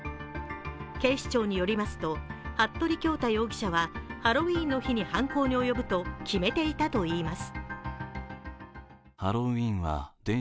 警視庁によりますと、服部恭太容疑者はハロウィーンの日に犯行に及ぶと決めていたといいます。